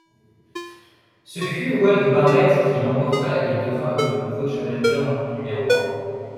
Ce fut Wade Barrett qui l'emporta, et devint le nouveau challenger numéro un.